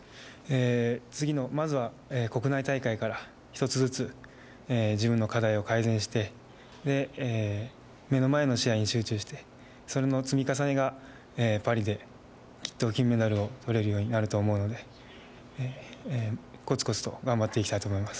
次の、まずは国内大会から、一つずつ自分の課題を改善して、目の前の試合に集中して、それの積み重ねがパリで、きっと金メダルをとれるようになると思うので、こつこつと頑張っていきたいと思います。